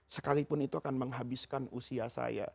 sekalipun itu akan menghabiskan usia saya